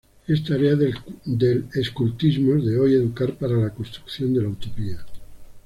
Es tarea del Escultismo de hoy educar para la construcción de la utopía.